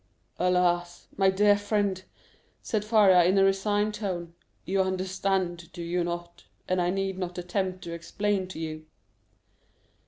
"Alas, my dear friend," said Faria in a resigned tone, "you understand, do you not, and I need not attempt to explain to you?"